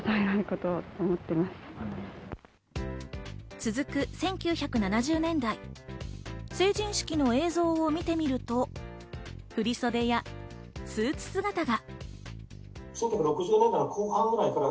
続く１９７０年代、成人式の映像を見てみると、振り袖やスーツ姿が。